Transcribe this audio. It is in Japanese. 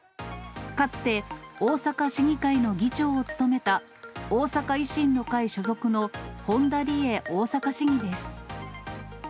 かつて、大阪市議会の議長を務めた、大阪維新の会所属の本田リエ大阪市議です。